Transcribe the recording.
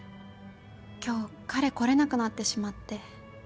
今日彼来れなくなってしまって。